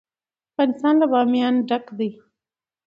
افغانستان له بامیان ډک دی.